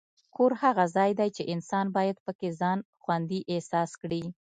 کور هغه ځای دی چې انسان باید پکې ځان خوندي احساس کړي.